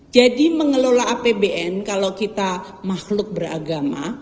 jadi mengelola apbn kalau kita makhluk beragama